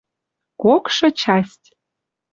Кокшы часть